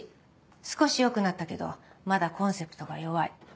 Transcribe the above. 少し良くなったけどまだコンセプトが弱い。